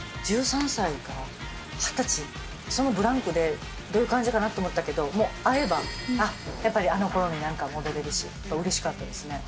１３歳から２０歳、そのブランクで、どういう感じかなと思ったけど、もう会えば、あっ、あのころになんか戻れるし、うれしかったですね。